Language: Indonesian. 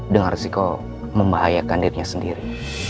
dengan resiko membahayakan dirinya sendiri